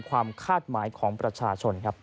ความคาดหมายของประชาชนครับ